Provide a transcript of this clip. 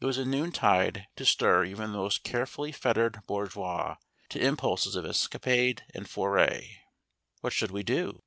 It was a noontide to stir even the most carefully fettered bourgeois to impulses of escapade and foray. What should we do?